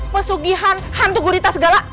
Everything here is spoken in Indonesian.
pesugihan hantu gurita segala